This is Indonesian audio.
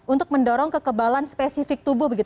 untuk mendorong kekebalan spesifik tubuh